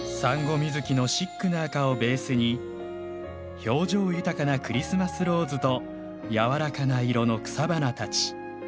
ミズキのシックな赤をベースに表情豊かなクリスマスローズとやわらかな色の草花たち。